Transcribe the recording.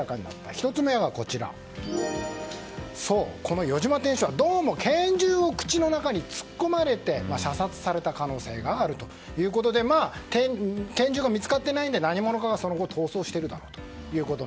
１つ目は、この余嶋店主拳銃を口の中に突っ込まれて射殺された可能性があるということで拳銃が見つかっていないので何者かが逃走しているだろうと。